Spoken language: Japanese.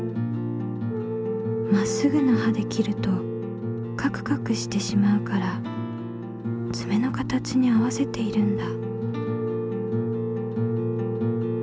まっすぐな刃で切るとカクカクしてしまうからつめのかたちに合わせているんだ。